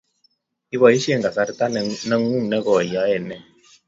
iposhe kasarta ne ng'ung ne koi iyae nee